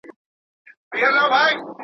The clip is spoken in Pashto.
غلامي مي دا یوه شېبه رخصت کړه.